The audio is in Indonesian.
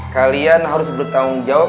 kalian harus bertanggung jawab